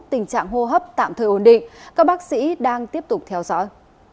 tình trạng hô hấp tạm thời ổn định các bác sĩ đang tiếp tục theo dõi